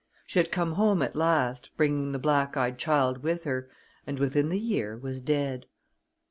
She had come home at last, bringing the black eyed child with her, and within the year was dead.